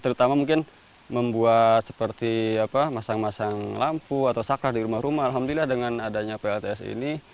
terutama mungkin membuat seperti masang masang lampu atau sakrah di rumah rumah alhamdulillah dengan adanya plts ini